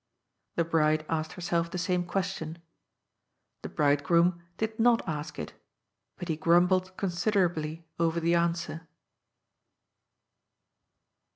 The bride asked herself the same question. The bridegroom did not ask it, but he grumbled considerably over the answer.